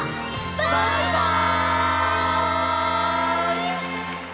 バイバイ！